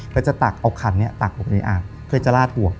ก็จะตักเอาขันเนี่ยตักลงไปในอ่างเคยจะลาดหัว